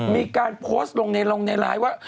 มีการโพสต์ลงในลงในไลน์ว่า